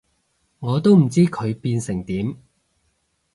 我都唔知佢變成點